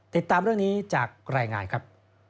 ติดตามเรื่องนี้จากรายงานครับ